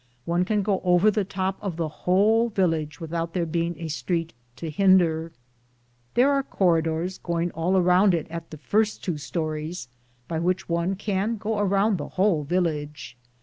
One can go over the top of the whole village without there being a street to hinder. There are cor ridors going all around it at the first two stories, by which one can go around the whole village.